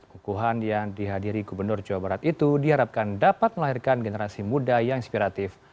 kukuhan yang dihadiri gubernur jawa barat itu diharapkan dapat melahirkan generasi muda yang inspiratif